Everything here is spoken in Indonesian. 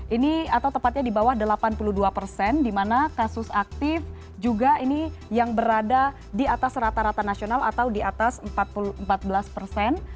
ini atau tepatnya di bawah delapan puluh dua persen di mana kasus aktif juga ini yang berada di atas rata rata nasional atau di atas empat belas persen